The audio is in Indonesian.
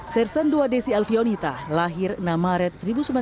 sersan ii desi alfionita lahir enam maret seribu sembilan ratus sembilan puluh